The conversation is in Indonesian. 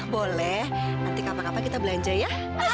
boleh nanti kapan kapan kita belanja ya